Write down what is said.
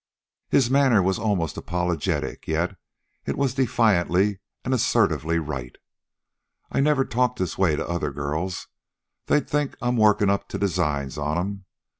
His manner was almost apologetic yet it was defiantly and assertively right. "I never talk this way to other girls. They'd think I'm workin up to designs on 'em.